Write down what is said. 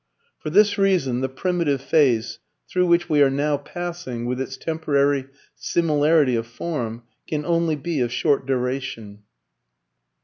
For this reason, the Primitive phase, through which we are now passing, with its temporary similarity of form, can only be of short duration.